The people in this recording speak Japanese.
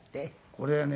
これはね